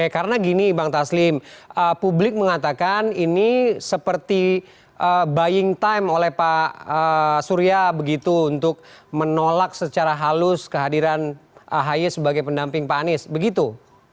karena gini bang taslim publik mengatakan ini seperti buying time oleh pak surya begitu untuk menolak secara halus kehadiran ahi sebagai pendamping pak anies begitu